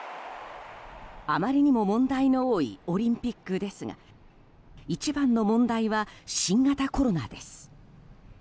あまりにも問題の多いオリンピックですが一番の問題は新型コロナです。